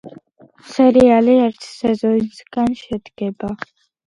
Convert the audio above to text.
სერიალი ერთი სეზონისგან შედგება.